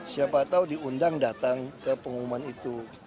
siapa tahu diundang datang ke pengumuman itu